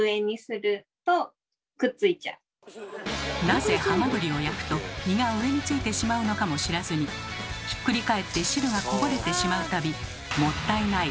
なぜハマグリを焼くと身が上についてしまうのかも知らずにひっくり返って汁がこぼれてしまう度「もったいない！！」